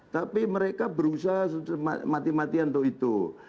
tapi mereka berusaha mati matian untuk itu